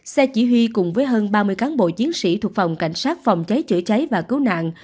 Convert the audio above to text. xe chỉ huy cùng với hơn ba mươi cán bộ chiến sĩ thuộc phòng cảnh sát phòng cháy chữa cháy và cứu nạn